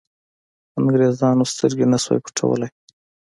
انګرېزانو سترګې نه شوای پټولای.